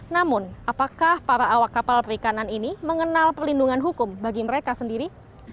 namun apakah para awak kapal perikanan ini mengenal perlindungan hukum bagi mereka sendiri